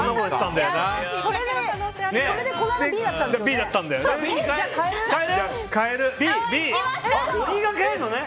これでこの間Ｂだったんだよね。